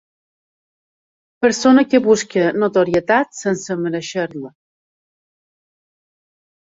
Persona que busca notorietat sense merèixer-la.